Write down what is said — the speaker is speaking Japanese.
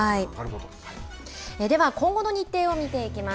では今後の日程を見ていきます。